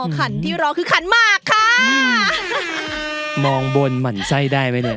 ขันที่รอคือขันหมากค่ะมองบนหมั่นไส้ได้ไหมเนี่ย